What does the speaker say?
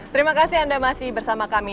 terima kasih anda masih bersama kami